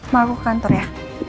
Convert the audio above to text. mau aku kantor ya